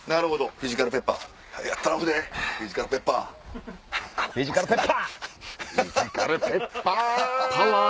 フィジカルペッパ！